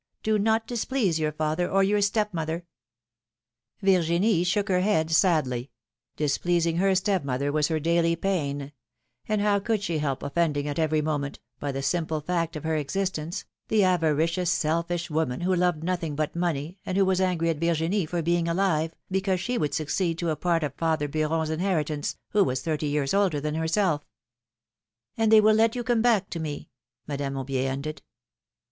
Do not displease your father or your step mother —" Virginie shook her head sadly : displeasing her step mother was her daily pain ; and how could she help offend ing at every moment — by the simple fact of her existence — the avaricious, selfish woman, who loved nothing but money, and who was angry at Virginie for being alive, because she would succeed to a part of father Beuron's inheritance, who was thirty years older than herself! — And they will let you come back to me!" Madame Aubier ended.